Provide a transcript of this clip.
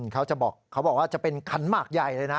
เขาบอกว่าจะเป็นขันหมากใหญ่เลยนะ